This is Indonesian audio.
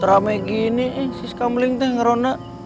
teramai gini si skamling ngerondak